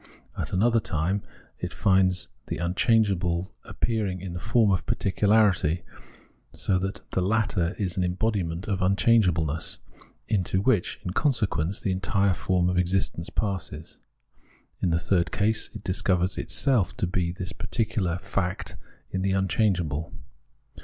At another time it finds the unchange able appearing in the form of particularity; so that the latter is an embodiment of unchangeableness, into which, in consequence, the entire form of existence The Unhappy Consciousness 203 passes. In the third case, it discovers itself to be this particular fact in the unchangeable.